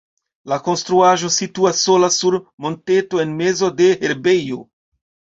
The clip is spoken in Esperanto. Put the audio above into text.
La konstruaĵo situas sola sur monteto en mezo de herbejo.